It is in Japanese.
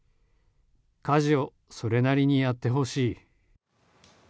家事をそれなりにやってほしい。